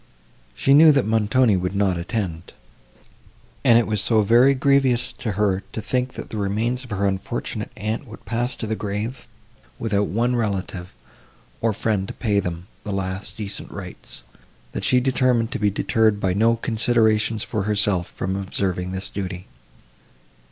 She knew, that Montoni would not attend; and it was so very grievous to her to think that the remains of her unfortunate aunt would pass to the grave without one relative, or friend to pay them the last decent rites, that she determined to be deterred by no considerations for herself, from observing this duty.